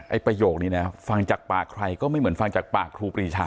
ประโยคนี้นะฟังจากปากใครก็ไม่เหมือนฟังจากปากครูปรีชา